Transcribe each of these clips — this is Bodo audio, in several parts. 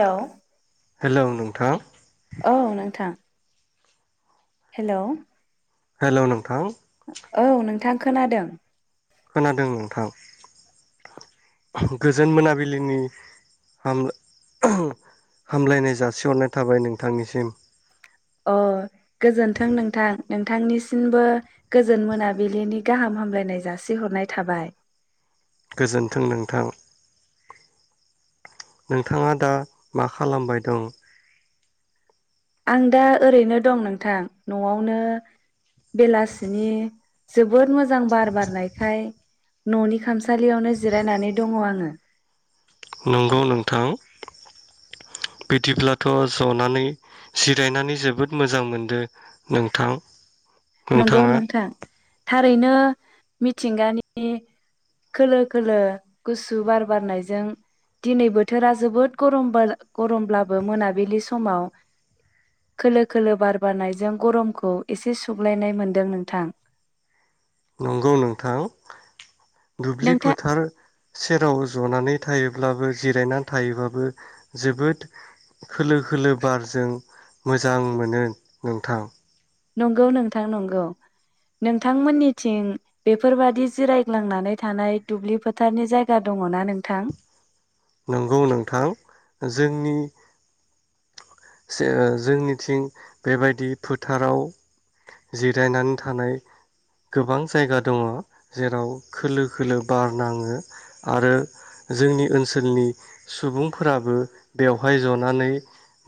हेल'। हेल' नोंथां। औ नोंथां। हेल' हेल' नोंथां। औ नोंथां खोनादों। खोनादों नोंथां? गोजोन मोनाबिलिनि हामलायनाय जासिहरनाय थाबाय नोंथांनिसिम। अ गोजोनथों नोंथां नोंथांनिसिमबो गोजोन मोनाबिलिनि गाहाम हामलायनाय जासिहरनाय थाबाय। गोजोन्थों नोंथां। नोंथाङा दा मा खालामबाय दं? आं दा ओरैनो दं नोंथां न'आवनो बेलासिनि जोबोद मोजां। मोजां बार बारनायखाय। न'नि खामसालियावनो जिरायनानै दङ आङो। नंगौ नोंथां बिदिब्लाथ' जनानै जिरायनानै जोबोद मोजां मोनदों नोंथां। नंगौ नोंथाङा नोंथां। थारैनो मिथिंगानि खोलो खोलो गुसु बार बारनायजों दिनै बोथोरा जोबोद गरम गरमब्लाबो मोनाबिलि समाव खोलो खोलो बार बारनायजों गरमखौ एसे सु सुग्लायनाय मोनदों नोंथां नंगौ नोंथां दुब्लि नोंथां फोथार सेराव जनानै थायोब्लाबो जिरायनानै थायोब्लााबबो जोबोद खोलो खोलो बारजों मोजां मोनो नोंथां नंगौ नोंथां नंगौ नोंथांमोननिथिं बेफोरबादि जिरायग्लांनानै थानाय दुब्लि फोथारनि जायगा दङ न नोंथां नंगौ नोंथां जोंनि जोंनिथिं बेबायदि फोथाराव जिरायनानै थानाय गोबां जायगा दङ जेराव खोलो खोलो बार नाङो आरो जोंनि ओनसोलनि सुबुंफोराबो बेवहाय जनानै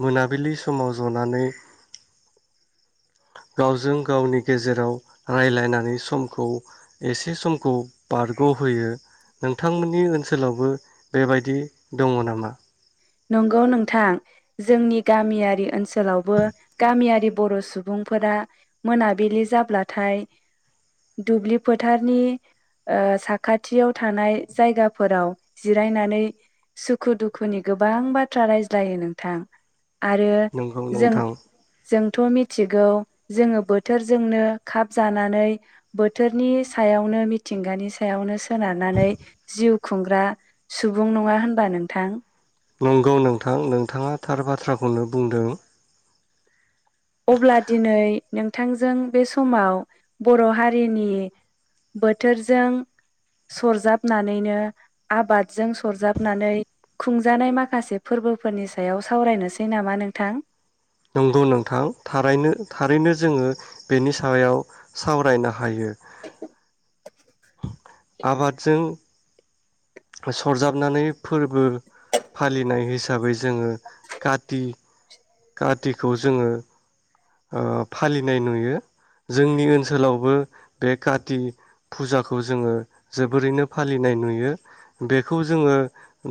मोनाबिलि समाव जनानै गावजों गावनि गेजेराव रायलायनानै समखौ एसे समखौ बारग'होयो नोंथांमोननि ओनसोलावबो बेबायदि दङ नामा नंगौ नोंथां जोंनि गामियारि ओनसोलावबो गामियारि बर' सुबुंफोरा मोनाबिलि जाब्लाथाय दुब्लि फोथारनि साखाथियाव थानाय जायगाफोराव जिरायनानै सुखु दुखुनि गोबां बाथ्रा रायज्लायो नोंथां आरो नंगौ जों नोंथां जों थ' मिथिगौ जोङो बोथोरजोंनो खाब जानानै बोथोरनि सायावनो मिथिंगानि सायावनो सोनारनानै जिउ खुंग्रा सुबुं नङा होनबा नोंथां नंगौ नोंथां नोंथाङा थार बाथ्राखौनो बुंदों अब्ला दिनै नोंथांजों बे समाव बर' हारिनि बोथोरजों सरजाबनानैनो आबादजों सरजाबनानो खुंजानाय माखासे फोरबोफोरनि सायाव सावरायनोसै नामा नोंथां नंगौ नांथां थारायनो थारैनो जोङो बेनि सायाव सावरायनो हा हायो आबादजों सरजाबनानै फोरबो फालिनाय हिसा हिसाबै जोङो काति कातिखौ जोङो ओ फालिनाय नुयो जोंनि ओनसोलावबो बे काति फुजाखौ जोङो जोबोरैनो फालिनाय नुयो बेखौ जोङो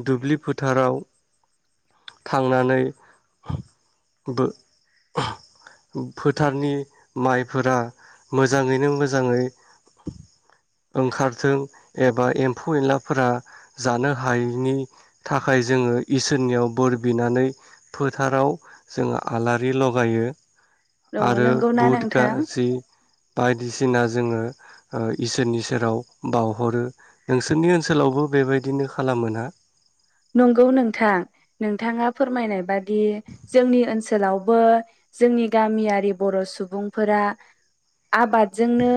दुब्लि फोथाराव थांनानै बो फोथारनि माइफोरा मोजाङैनो मोजाङै ओंखारथों एबा एम्फौ एनला फोरा जानो हायैनि थाखाय जोङो इसोरनियाव बोर बिनानै फोथाराव जोङो आलारि लगायो अ आरो नंगौना जोङो नोंथां? ओ इसोरनि सेराव बावहरो नोंसोरनि ओनस सोलावबो बेबायदिनो खालाम मोना? नंगौ नोंथां नोंथाङा फोरमायनाय बादि जोंनि ओन आबादजोंनो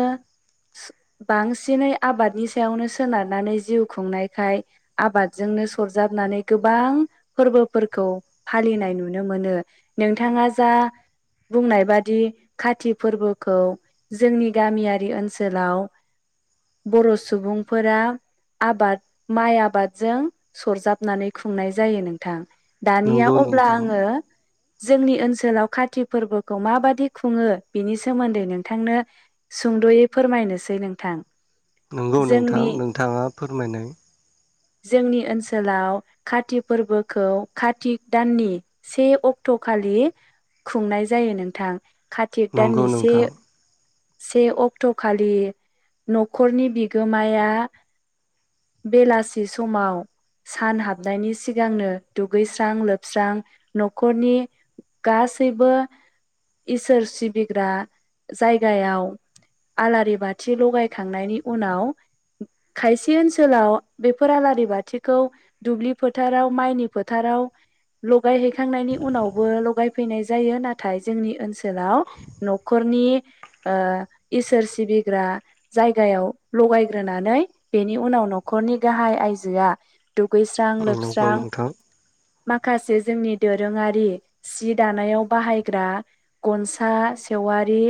बांसिनै आबादनि सायावनो सोनारनानै जिउ खुंनायखाय आबादजोंनो सरजाबनानै गोबां फोरबोफोरखौ फालिनाय नुनो मोनो नोंथाङा जा बुंनाय बादि काति फोरबोखौ जोंनि गामियारि ओनसोलाव बर' सुबुंफोरा आबाद माइ आबादजों सरजाबनानै खुंनाय जायो नोंथां। दानिया नंगौ अब्ला नोंथां आङो जोंनि ओनसोलाव काति फोरबोखौ माबादि खुङो बिनि सोमोन्दै नोंथांनो सुंद'यै फोरमायनोसै नोंथां नंगौ नोंथां जोंनि नोंथाङा फोरमायनाय। जोंनि ओनस सोलाव काति फोरबोखौ काति दाननि से अक्ट' खालि खुंनाय जायो नोंथां खाथिक नंगौ दानि से नोंथां से अक्ट' खालि न'खरनि बिगोमाया बेलासि समाव सान हाबनायनि सिगांनो दुगैस्रां लोबस्रां न'खरनि गासैबो इसोर सिबिग्रा जाय गायाव आलारि बाथि लगायखांनायनि उनाव खायसे ओनसोलाव बेफोर आलारि बाथिखौ दुब्लि फोथाराव माइनि फोथाराव लगायहैखांनायनि उनावबो लगायफैनाय जायो नाथाय जोंनि ओनसोलाव न'खरनि ओ इसोर सिबिग्रा जायगायाव लगायग्रोनानै बेनि उनाव न'खरनि गाहाय आइजोआ दुगैस्रां स्रां नंगौ लोबस्रां नोंथां माखासे जोंनि दोरोङारि सि दानायाव बाहायग्रा गनसा सेवारि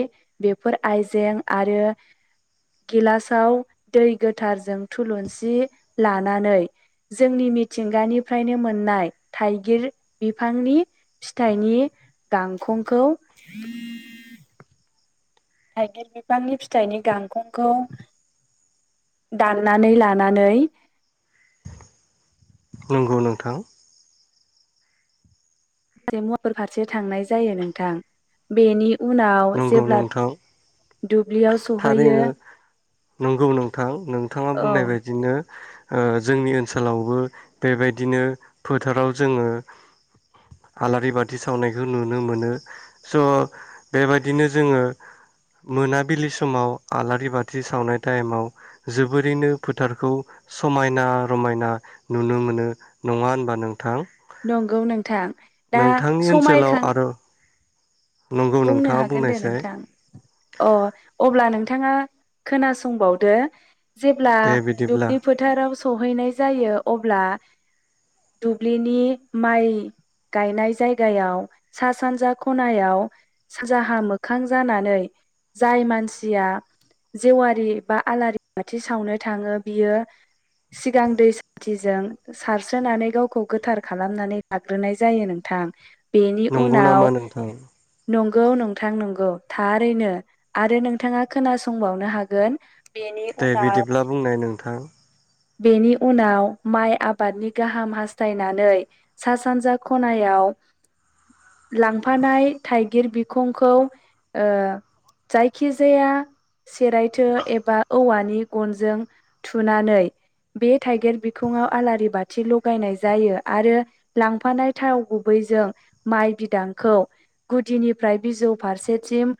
बेफोर आइजें आरो गिलासाव दै गोथारजों थुलुंसि लानानै जोंनि मिथिंगानिफ्रायनो मोन्नाय थाइगिर बिफांनि फिथाइनि गांखंखौ थाइगिर बिफांनि फिथाइनि गांखंखौ दान्नानै लानानै नंगौ नोंथां। माखासे मुवाफोर फारसे थांनाय जायो नोंथां बेनि उनाव नंगौ जेब्ला नोंथां दुब्लियाव सहैयो थारैनो नंगौ नोंथां नोंथाङा औ बुंनाय बायदिनो ओ जोंनि ओनसोलावबो बेबायदिनो फोथाराव जोङो आलारि बाथि सावनायखौ नुनो मोनो स' बेबायदिनो जोङो मोनाबिलि समाव आलारि बाथि सावनाय टाइमाव जोबोरैनो फोथारखौ समायना रमायना नुनो मोनो नङा होनबा नों नंगौ नोंथां दा नोंथांनि ओनसोलाव समायखां आरो नंगौ बुंनो नोंथाङा हागोन दे बुंनायसाय नोंथां अ अब्ला नोंथाङा खोनासंबावदो जेब्ला दे बिदिब्ला दुब्लि फोथाराव सहैनाय जायो अब्ला दुब्लिनि माइ गायनाय जायगायाव सा सानजा खनायाव साजाहा मोखां जानानै जाय मानसिया जेवारि बा आलारि बाथि सावनो थाङो बियो सिगां दै सान्थिजों सारस्रोनानै गावखौ गोथार खालामनानै लाग्रोनाय जायो नोंथां। बेनि नंगौ नामा उनाव नोंथां नंगौ नोंथां नंगौ थारैनो आरो नोंथाङा खोनासंबावनो हागोन। बेनि दे उनाव बिदिब्ला बुंनाय नोंथां बेनि उनाव माइ आबादनि गाहाम हास्थायनानै सा सानजा खनायाव लांफानाय थाइगिर बिखंखौ ओ जायखिजाया सेरायथो एबा औवानि गनजों थुनानै बे थाइगिर बिखङाव आलारि बाथि लगायनाय जायो आरो लांफानाय थाव गुबैजों माइ बिदांखौ गुदिनिफ्राय बिजौ फारसेथिम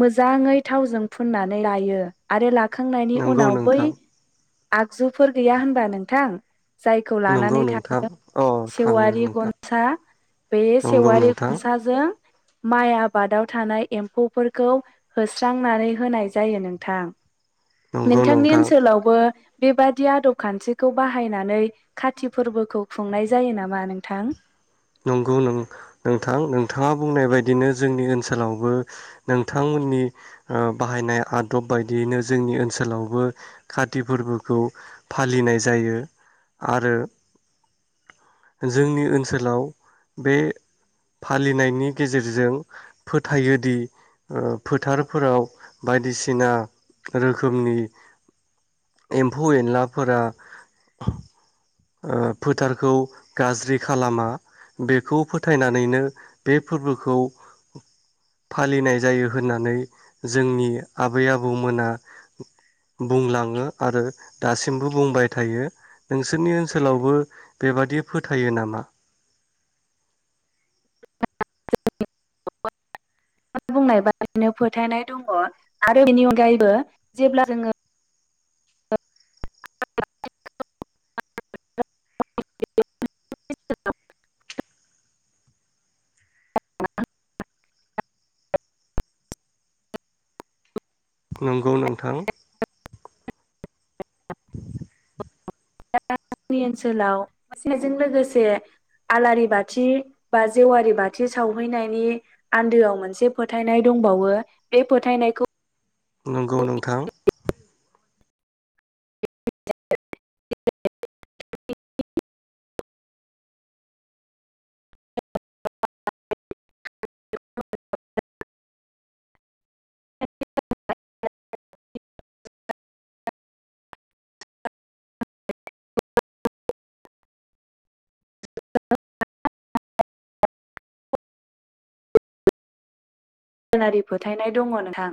मोजाङै थावजों फुननानै लायो आरो ला खांनायनि नंगौ उनाव बै नोंथां आ आगजुफोर गैया होनबा नोंथां जायखौ नंगौ लानानै नोंथां थाङो अ थाङो सेवारि नोंथां गनसा बे नंगौ सेवारि नोंथां गनसाजों माइ आबादाव थानाय एम्फौफोरखौ होस्रांनानै होनाय जायो नोंथां। नंगौ नोंथांनि नोंथां ओनसोलावबो बेबादि आदब खान्थिखौ बाहायनानै खाथि फोरबोखौ खुंनाय जायो नामा नोंथां नंगौ न नोंथां नोंथाङा बुंनाय बायदिनो जोंनि ओनसोलावबो नोंथांमोननि ओ बाहायनाय आदब बायदियैनो जोंनि ओनसोलावबो काति फोरबोखौ फालिनाय जायो आरो जोंनि ओनसोलाव बे फालिनायनि गेजेरजों फोथायोदि ओ फोथारफोराव बायदिसिना रोखोमनि एम्फौ एनलाफोरा ओ फोथारखौ गाज्रि खालामा बेखौ फोथायनानैनो बे फोरबोखौ फालिनाय जायो होननानै जोंनि आबै आबौमोना बुंलाङो आरो दासिमबो बुंबाय थायो नोंसोरनि ओनसोलावबो बेबादि फोथायो नामा [unintelligible] बुंनाय बादिनो फोथायनाय दङ आरो बेनि अनगायैबो जेब्ला जोङो [unintelligible] नंगौ नोंथां [inaudible] दा जोंनि ओनसोलाव [unintelligible] जों लोगोसे आलारि बाथि बा जेवारि बाथि सावहैनायनि आन्दोआव मोनसे फोथायनाय दंबावो बे फोथायनायखौ नंगौ नोंथां [unintelligible] [unintelligible] गोनारि फोथायनाय दङ नोंथां